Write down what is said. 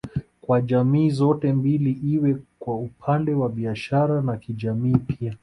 Kwa jamii zote mbili iwe kwa upande wa biashara na kijamii pia